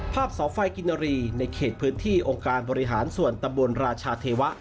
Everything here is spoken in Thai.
เสาไฟกินรีในเขตพื้นที่องค์การบริหารส่วนตำบลราชาเทวะ